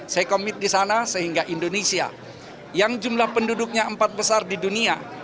saya komit di sana sehingga indonesia yang jumlah penduduknya empat besar di dunia